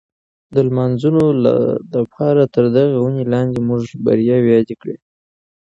د لمانځلو دپاره تر دغي وني لاندي موږ بریاوې یادې کړې.